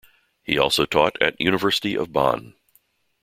He also taught at University of Bonn.